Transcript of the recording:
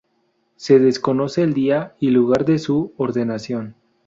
Se desconoce el día y lugar de su ordenación.